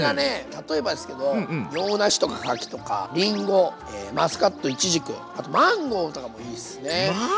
例えばですけど洋梨とか柿とかりんごマスカットいちじくあとマンゴーとかもいいですね。